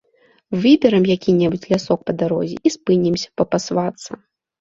Выберам які-небудзь лясок па дарозе і спынімся папасвацца.